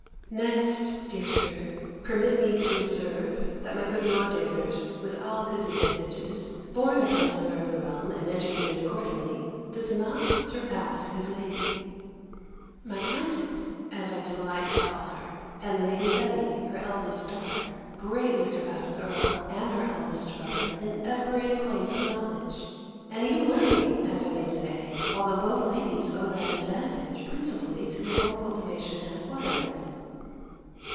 Next, dear Sir, permit me to observe, that my good Lord Davers, with all his advantages, born a counsellor of the realm, and educated accordingly, does not surpass his lady. My countess, as I delight to call her, and Lady Betty, her eldest daughter, greatly surpassed the Earl and her eldest brother in every point of knowledge, and even learning, as I may say, although both ladies owe that advantage principally to their own cultivation and acquirement.